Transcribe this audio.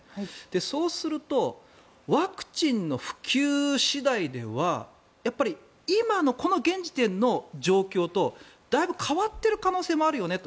そうするとワクチンの普及次第では今のこの現時点の状況とだいぶ変わっている可能性もあるよねと。